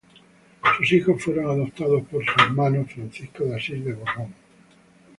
Sus hijos fueron adoptados por su hermano, Francisco de Asís de Borbón.